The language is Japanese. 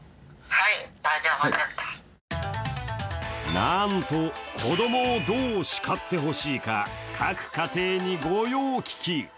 なんと子供をどう叱ってほしいか、各家庭に御用聞き。